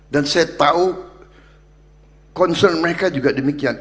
dan saya tahu concern mereka juga demikian